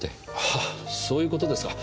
ああそういうことですか。